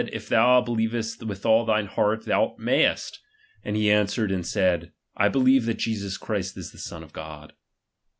If' thou be Uevest with all thine heart, thou mayest. And he answered and said, I believe (hat Jesus Christ is the Son of God.